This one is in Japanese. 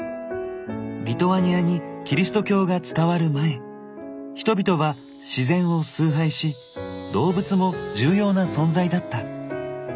リトアニアにキリスト教が伝わる前人々は自然を崇拝し動物も重要な存在だった。